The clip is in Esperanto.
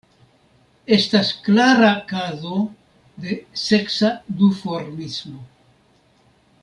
Estas klara kazo de seksa duformismo.